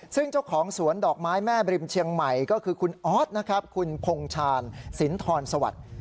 ซึ่งเจ้าของสวนดอกไม้แม่บริมเชียงใหม่ก็คือคุณออสนะครับคุณพงชาญสินทรสวัสดิ์